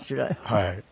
はい。